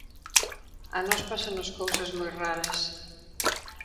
A nós pásanos cousas moi raras.